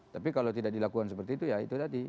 tapi kalau tidak dilakukan seperti itu ya itu tadi